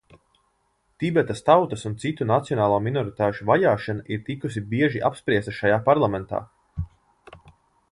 Tibetas tautas un citu nacionālo minoritāšu vajāšana ir tikusi bieži apspriesta šajā Parlamentā.